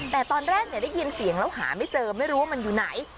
แต่ตอนแรกได้ยินเสียงแล้วหาไม่เจอไม่รู้ว่ามันอยู่ไหน